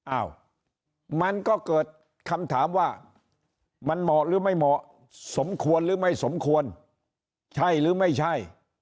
อ้าวมันก็เกิดคำถามว่ามันเหมาะหรือไม่เหมาะสมควรหรือไม่สมควรใช่หรือไม่ใช่